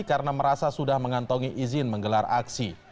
karena merasa sudah mengantongi izin menggelar aksi